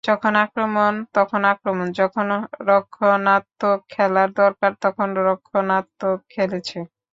যখন আক্রমণ তখন আক্রমণ, যখন রক্ষণাত্মক খেলার দরকার তখন রক্ষণাত্মক খেলেছে।